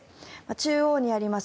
中央にあります